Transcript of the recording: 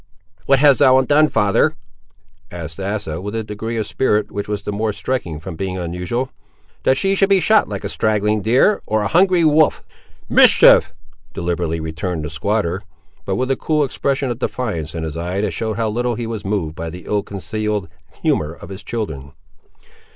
"What has Ellen done, father," said Asa, with a degree of spirit, which was the more striking from being unusual, "that she should be shot at like a straggling deer, or a hungry wolf?" "Mischief," deliberately returned the squatter; but with a cool expression of defiance in his eye that showed how little he was moved by the ill concealed humour of his children.